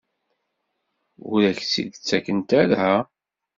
Ur ak-tt-id-ttakent ara?